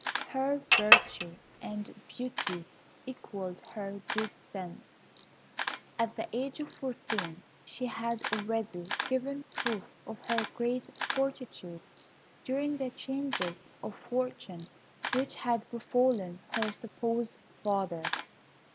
Her virtue and beauty equalled her good sense. At the age of fourteen she had already given proof of great fortitude during the changes of fortune which had befallen her supposed father.